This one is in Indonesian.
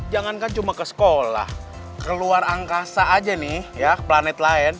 jangankan cuma ke sekolah keluar angkasa aja nih ya ke planet lain